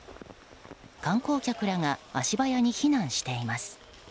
観光客らが足早に避難しています。